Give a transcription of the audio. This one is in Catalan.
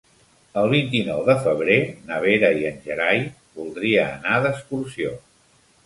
El vint-i-nou de febrer na Vera i en Gerai voldria anar d'excursió.